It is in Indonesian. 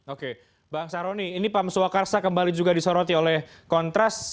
oke bang saroni ini pam swakarsa kembali juga disoroti oleh kontras